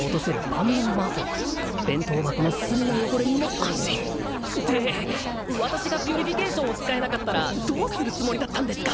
万能魔法弁当箱の隅の汚れにも安心って私がピュリフィケイションを使えなかったらどうするつもりだったんですか？